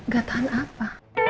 gak tahan apa